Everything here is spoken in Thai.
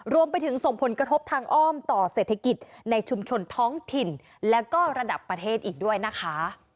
รวมไปถึงส่งผลกระทบทางอ้อมต่อเศรษฐกิจในชุมชนท้องถิ่นแล้วก็ระดับประเทศอีกด้วยนะคะ